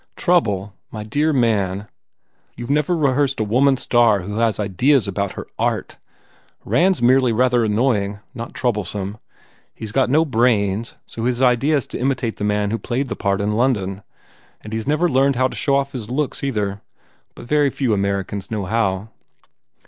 "Trouble? My dear man, you ve never re hearsed a woman star who had ideas about her art! Rand s merely rather annoying, not trouble 2OO COSMO RAND some. He s got no brains so his idea is to imitate the man who played the part in London. And he s never learned how to show off his looks, either. But very few Americans know how."